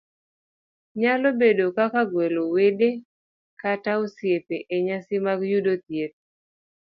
nyalo bedo kaka gwelo wede kata osiepe e nyasi mag yudo thieth,